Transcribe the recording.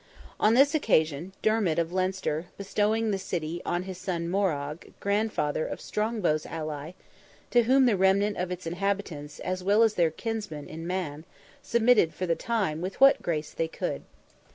On this occasion, Dermid, of Leinster, bestowed the city on his son Morrogh (grandfather of Strongbow's ally), to whom the remnant of its inhabitants, as well as their kinsmen in Man, submitted for the time with what grace they could.